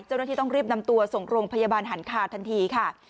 เจ้าหน้าที่ต้องรีบนำตัวส่งโรงพยาบาลหันคาทันทีค่ะ